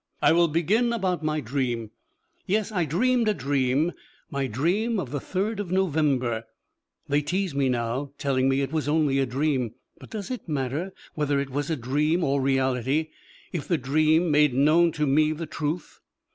I will begin about my dream. Yes, I dreamed a dream, my dream of the third of November. They tease me now, telling me it was only a dream. But does it matter whether it was a dream or reality, if the dream made known to me the truth?